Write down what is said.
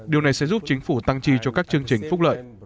điều này sẽ giúp chính phủ tăng chi cho các chương trình phúc lợi